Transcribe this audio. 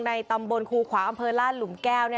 ในตำบลคูขวาอำเภาล่านหลุมแก้ว